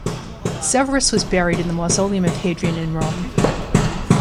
Severus was buried in the Mausoleum of Hadrian in Rome.